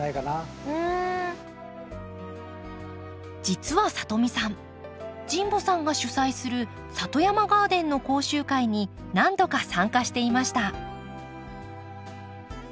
実はさとみさん神保さんが主宰する里山ガーデンの講習会に何度か参加していました。